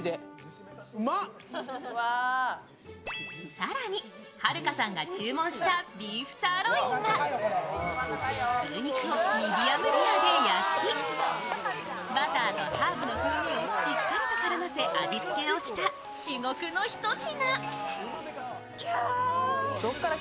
更に、はるかさんが注文したビーフサーロインは牛肉をミディアムレアで焼きバターとハーブの風味をしっかりと絡ませ味付けをした至極のひと品。